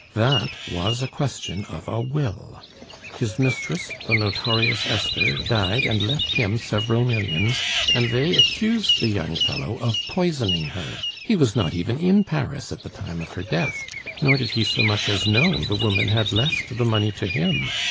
That was a question of a will. His mistress, the notorious Esther, died and left him several millions, and they accused the young fellow of poisoning her. He was not even in Paris at the time of her death, nor did he so much as know the woman had left the money to him!